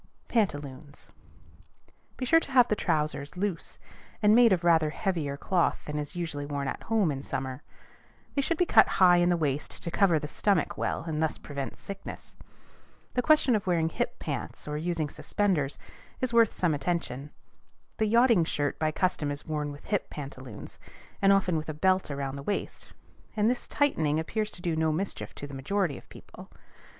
PANTALOONS. Be sure to have the trousers loose, and made of rather heavier cloth than is usually worn at home in summer. They should be cut high in the waist to cover the stomach well, and thus prevent sickness. The question of wearing "hip pants," or using suspenders, is worth some attention. The yachting shirt by custom is worn with hip pantaloons, and often with a belt around the waist; and this tightening appears to do no mischief to the majority of people.